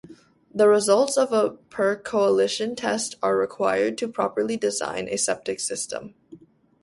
The results of a percolation test are required to properly design a septic system.